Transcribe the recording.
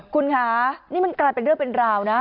คุณคะนี่มันกลายเป็นเรื่องเป็นราวนะ